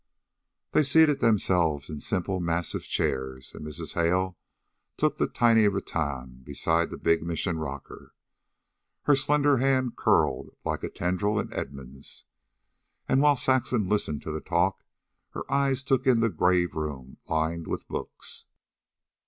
They seated themselves in simple massive chairs, and Mrs. Hale took the tiny rattan beside the big Mission rocker, her slender hand curled like a tendril in Edmund's. And while Saxon listened to the talk, her eyes took in the grave rooms lined with books.